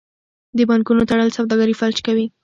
د بانکونو تړل سوداګري فلج کوي.